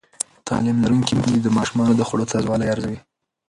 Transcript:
تعلیم لرونکې میندې د ماشومانو د خوړو تازه والی ارزوي.